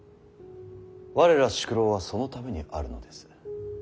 我ら宿老はそのためにあるのです。